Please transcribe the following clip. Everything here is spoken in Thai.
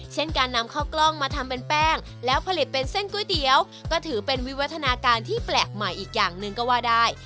เช่นการนำข้าวกล้องมาทำเป็นแป้งแล้วผลิตเป็นเส้นก๋วยเตี๋ยวก็ถือเป็นวิวัฒนาการที่แปลกใหม่อีกอย่างหนึ่งก็ว่าได้